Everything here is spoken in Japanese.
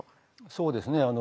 そうですね。